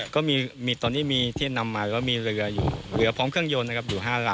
ก็มีตอนนี้มีที่นำมาแล้วมีเรือพร้อมเครื่องยนต์อยู่๕ลำ